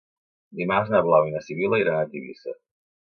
Dimarts na Blau i na Sibil·la iran a Tivissa.